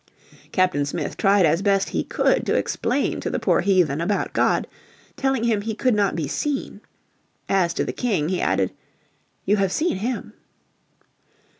Captain Smith tried as best he could to explain to the poor heathen about God, telling him He could not be seen. As, to the King, he added, "you have seen him."